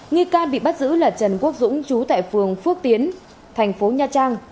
nghi can bị bắt giữ là trần quốc dũng chú tại phường phước tiến thành phố nha trang